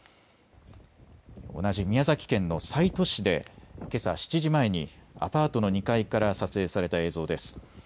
同じ宮崎県の西都市でけさ７時前にアパートの２階から撮影された映像です。